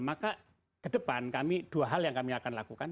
maka ke depan kami dua hal yang kami akan lakukan